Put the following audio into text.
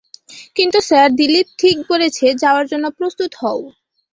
কিন্তু, স্যার - দিলীপ ঠিক বলেছে যাওয়ার জন্য প্রস্তুত হও।